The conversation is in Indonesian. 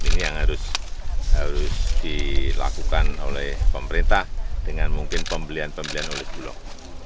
ini yang harus dilakukan oleh pemerintah dengan mungkin pembelian pembelian oleh bulog